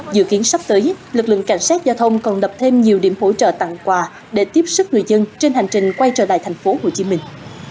dự kiến sắp tới lực lượng cảnh sát giao thông còn đập thêm nhiều điểm hỗ trợ tặng quà để tiếp sức người dân trên hành trình quay trở lại thành phố hồ chí minh